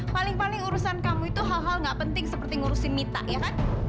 paling paling urusan kamu itu hal hal gak penting seperti ngurusin mita ya kan